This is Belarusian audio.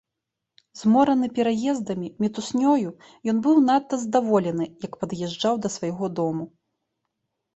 Змораны пераездамі, мітуснёю, ён быў надта здаволены, як пад'язджаў да свайго дому.